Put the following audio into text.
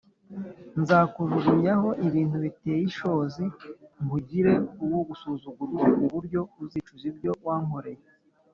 Nzakujugunyaho ibintu biteye ishozi nkugire uwo gusuzugurwa kuburyo uzicuza ibyo wankoreye